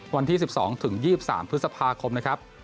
วันที่๑๒ถึง๒๒๓พฤษภาคมนะครับ